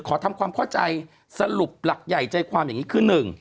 ขอทำความเข้าใจสรุปหลักใหญ่ใจความอย่างนี้คือ๑